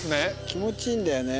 気持ちいいんだよね。